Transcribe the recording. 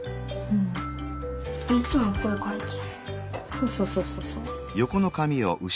そうそうそうそうそう。